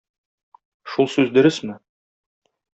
Шул сүз дөресме?